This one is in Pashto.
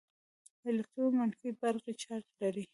الکترون منفي برقي چارچ لري.